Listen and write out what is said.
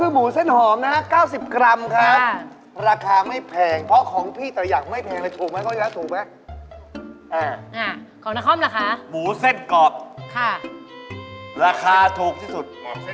หมูเส้นกรอบราคาถูกที่สุด